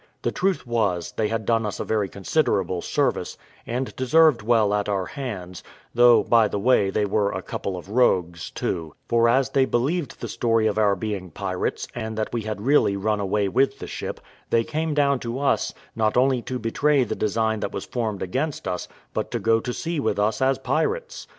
The truth was, they had done us a very considerable service, and deserved well at our hands; though, by the way, they were a couple of rogues, too; for, as they believed the story of our being pirates, and that we had really run away with the ship, they came down to us, not only to betray the design that was formed against us, but to go to sea with us as pirates.